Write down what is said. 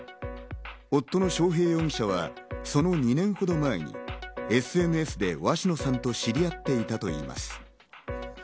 夫の章平容疑者はその２年ほど前にＳＮＳで鷲野さんと知り合っていたといいます。